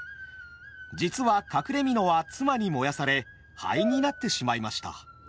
実は隠れ蓑は妻に燃やされ灰になってしまいました。